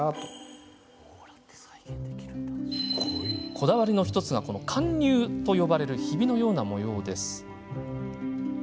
こだわりの１つが貫入と呼ばれるひびのような模様です。